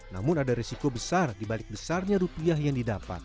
namun ada resiko besar dibalik besarnya rupiah yang didapat